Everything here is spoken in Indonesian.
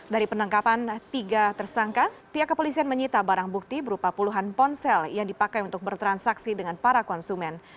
dari penangkapan tiga tersangka pihak kepolisian menyita barang bukti berupa puluhan ponsel yang dipakai untuk bertransaksi dengan para konsumen